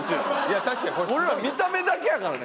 俺ら見た目だけやからね